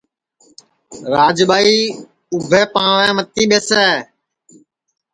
راجٻائی اُٻھے پاںٚوے متی ٻیسے